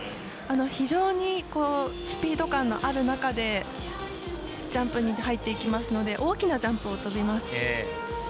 非常にスピード感のある中でジャンプに入っていきますので大きなジャンプを跳びます。